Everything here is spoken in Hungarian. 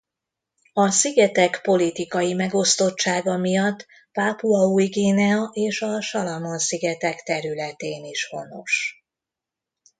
A szigetek politikai megosztottsága miatt Pápua Új-Guinea és a Salamon-szigetek területén is honos.